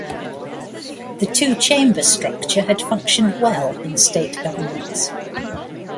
The two-chamber structure had functioned well in state governments.